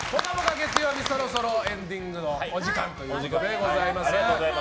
月曜日そろそろエンディングのお時間でございます。